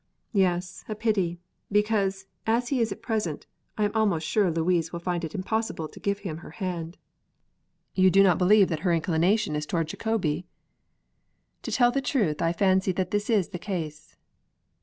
"Yes, a pity; because, as he is at present, I am almost sure Louise would find it impossible to give him her hand." "You do not believe that her inclination is toward Jacobi?" "To tell the truth, I fancy that this is the case."